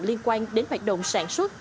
liên quan đến hoạt động sản xuất